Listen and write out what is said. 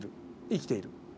生きている。